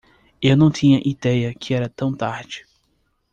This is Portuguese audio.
Eu não tinha ideia que era tão tarde.